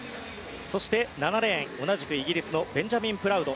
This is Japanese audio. そして、７レーン同じくイギリスのベンジャミン・プラウド。